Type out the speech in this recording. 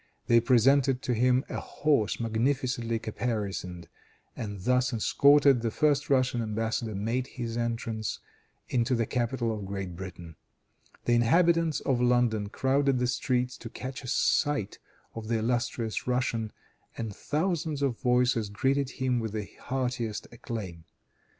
They presented to him a horse magnificently caparisoned, and thus escorted, the first Russian embassador made his entrance into the capital of Great Britain. The inhabitants of London crowded the streets to catch a sight of the illustrious Russian, and thousands of voices greeted him with the heartiest acclaim.